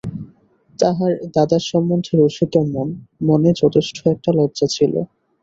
তাহার দাদার সম্বন্ধে রসিকের মনে যথেষ্ট একটা লজ্জা ছিল।